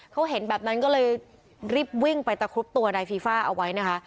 เขาเห็นแบบนั้นก็เลยรีบวิ่งไปตะครุบตัวนายฟีฟ่าเอาไว้นะคะ